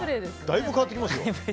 だいぶ変わってきますよ。